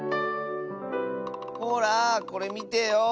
ほらこれみてよ。